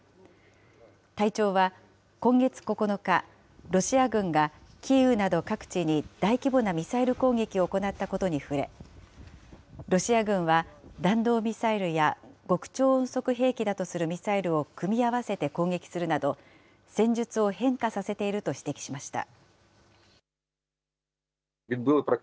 隊長は、今月９日、ロシア軍が、キーウなど各地に大規模なミサイル攻撃を行ったことに触れ、ロシア軍は弾道ミサイルや極超音速兵器だとするミサイルを組み合わせて攻撃するなど、戦術を変化させていると指摘しました。